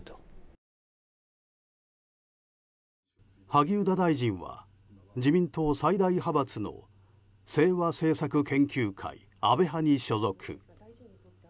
萩生田大臣は自民党最大派閥の清和政策研究会、安倍派に所属。